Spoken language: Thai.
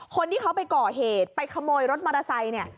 พวกเจ้าไปเกาะเหตุไปขโมยรถมอเตอร์ไสค์เนี่ย